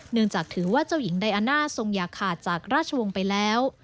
จากถือว่าเจ้าหญิงไดอาน่าทรงอย่าขาดจากราชวงศ์ไปแล้ว